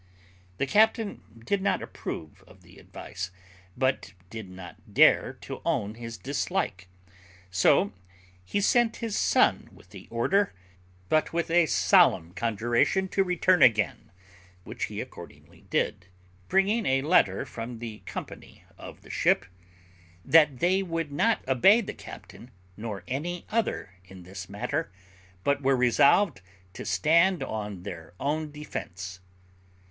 The captain did not approve of the advice, but did not dare to own his dislike; so he sent his son with the order, but with a solemn conjuration to return again, which he accordingly did, bringing a letter from the company in the ship, that they would not obey the captain, nor any other, in this matter, but were resolved to stand on their own defence.